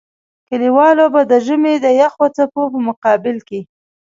کلیوالو به د ژمي د يخو څپو په مقابل کې.